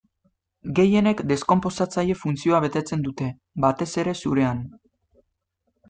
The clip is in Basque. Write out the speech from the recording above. Gehienek deskonposatzaile funtzioa betetzen dute, batez ere zurean.